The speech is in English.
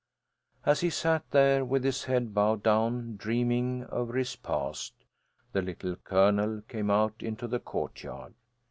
As he sat there with his head bowed down, dreaming over his past, the Little Colonel came out into the courtyard.